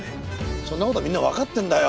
そんな事はみんなわかってるんだよ。